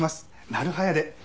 なる早で。